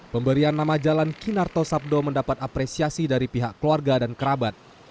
pemberian nama jalan kinarto sabdo mendapat apresiasi dari pihak keluarga dan kerabat